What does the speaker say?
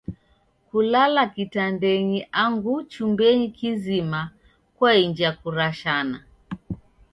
Kulala kitandenyi angu chumbenyi kizima kwainja kurashana.